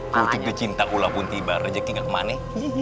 tutup ke cinta ulah pun tiba rezeki gak kemana